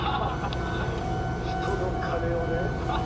人の金をね